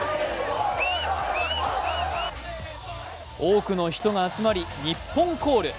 多くの人が集まりニッポンコール。